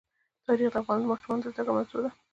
تاریخ د افغان ماشومانو د زده کړې موضوع ده.